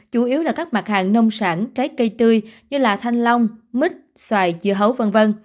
chủ yếu là các mặt hàng nông sản trái cây tươi như thanh long mít xoài dưa hấu v v